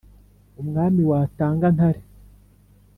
umwami watanga ntare,